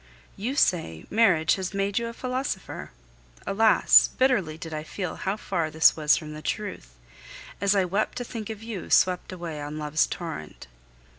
You say, "Marriage has made you a philosopher!" Alas! bitterly did I feel how far this was from the truth, as I wept to think of you swept away on love's torrent.